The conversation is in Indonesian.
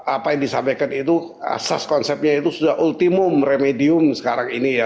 apa yang disampaikan itu asas konsepnya itu sudah ultimum remedium sekarang ini ya